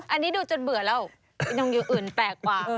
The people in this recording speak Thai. อันนี้ดูจนเบื่อแล้วอีนงอยู่อื่นแปลกกว่า